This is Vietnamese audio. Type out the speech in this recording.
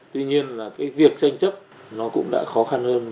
tuy nhiên việc tranh chấp cũng đã khó khăn hơn